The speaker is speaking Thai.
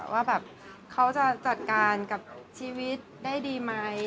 ว่าแบบเขาจะจัดการกับชีวิตได้ดีไหม